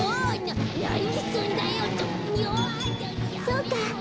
そうか。